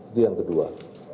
itu yang kedua